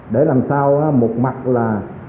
để làm sao một mặt là